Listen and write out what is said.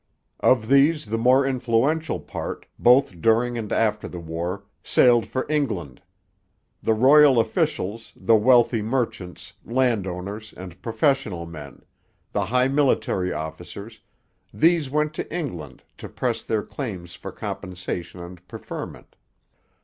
Of these the more influential part, both during and after the war, sailed for England. The royal officials, the wealthy merchants, landowners, and professional men; the high military officers these went to England to press their claims for compensation and preferment.